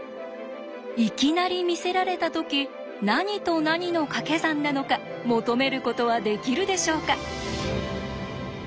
いきなり見せられた時何と何のかけ算なのか求めることはできるでしょうか。